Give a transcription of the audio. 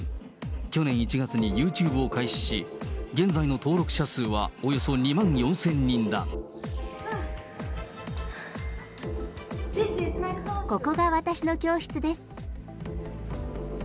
去年１月にユーチューブを開始し、現在の登録者数はおよそ２万４０ここが私の教室です。